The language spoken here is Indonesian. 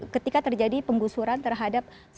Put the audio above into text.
ketika terjadi penggusuran terhadap